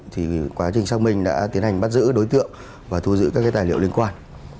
thì quá trình xác minh đã tiến hành bắt giữ đối tượng và thu giữ các cái tài liệu liên quan